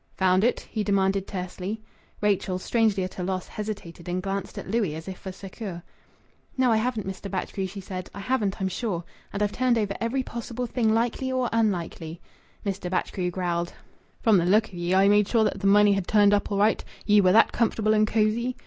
"Found it?" he demanded tersely. Rachel, strangely at a loss, hesitated and glanced at Louis as if for succour. "No, I haven't, Mr. Batchgrew," she said. "I haven't, I'm sure. And I've turned over every possible thing likely or unlikely." Mr. Batchgrew growled "From th' look of ye I made sure that th' money had turned up all right ye were that comfortable and cosy!